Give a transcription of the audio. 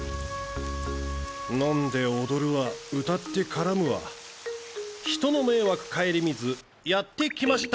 飲んで踊るわ歌って絡むわ人の迷惑省みずやってきました